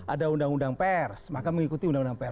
ada undang undang pers maka mengikuti undang undang pers